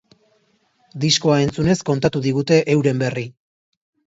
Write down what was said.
Diskoa entzunez kontatu digute euren berri.